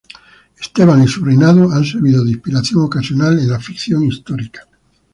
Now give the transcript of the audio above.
Esteban y su reinado han servido de inspiración ocasional en la ficción histórica.